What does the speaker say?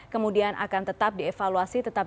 kemudian akan tetap dievaluasi tetap